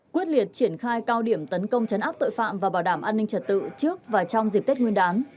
quyết liệt triển khai cao điểm tấn công chấn áp tội phạm và bảo đảm an ninh trật tự trước và trong dịp tết nguyên đán